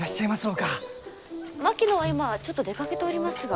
槙野は今ちょっと出かけておりますが。